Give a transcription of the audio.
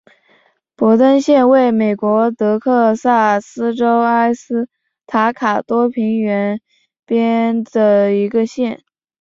博登县位美国德克萨斯州埃斯塔卡多平原边缘的一个县。